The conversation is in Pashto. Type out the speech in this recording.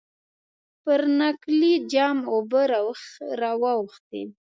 پر نکلي جام اوبه را واوښتې.